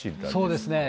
そうですね。